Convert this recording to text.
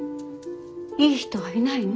いい人はいないの？